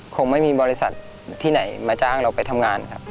คงไม่มีบริษัทที่ไหนมาจ้างเราไปทำงานครับ